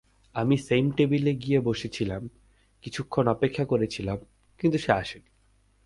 আমি সেইম টেবিলে গিয়ে বসেছিলাম, কিছুক্ষণ অপেক্ষা করেছিলাম, কিন্তু সে আসেনি।